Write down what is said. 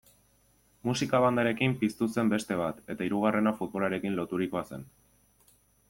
Musika-bandarekin piztu zen beste bat, eta hirugarrena futbolarekin loturikoa zen.